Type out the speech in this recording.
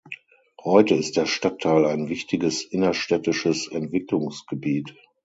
Heute ist der Stadtteil ein wichtiges innerstädtisches Entwicklungsgebiet.